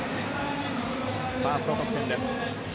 ファースト得点です。